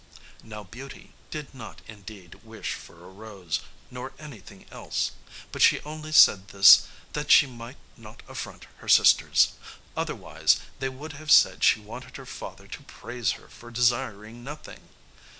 Now Beauty did not indeed wish for a rose, nor anything else, but she only said this that she might not affront her sisters; otherwise they would have said she wanted her father to praise her for desiring nothing.